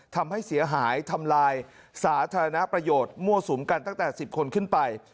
ทำให้เสียหายทำลายสาธารณประโยชน์มั่วสุมกันตั้งแต่๑๐คนขึ้นไป